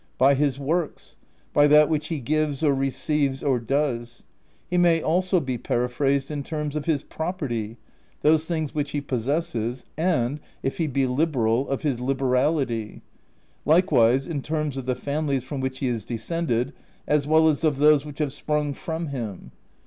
By his works, by that which he gives or receives or does; he may also be periphrased in terms of his property, those things which he possesses, and, if he be liberal, of his liberality; likewise in terms of the families from which he descended, as well as of those which have sprung from him.